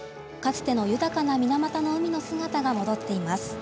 かつての豊かな水俣の海の姿が戻っています。